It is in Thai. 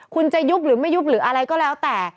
คุณจะยุบหรือไม่ยุบหรืออะไรก็แล้วแต่